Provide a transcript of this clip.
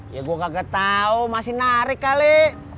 ya gue kagak tahu masih narik kali